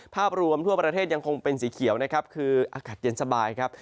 ภาพรวมทั่วประเทศยังคงเป็นสีเขียวนะครับคืออากาศเย็นสบายครับ